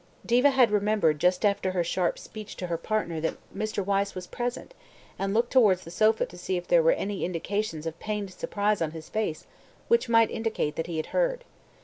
Diva had remembered just after her sharp speech to her partner that Mr. Wyse was present, and looked towards the sofa to see if there were any indications of pained surprise on his face which might indicate that he had heard.